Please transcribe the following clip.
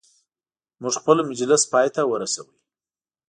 موږ خپل مجلس پایته ورساوه.